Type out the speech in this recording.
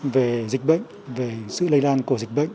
về dịch bệnh về sự lây lan của dịch bệnh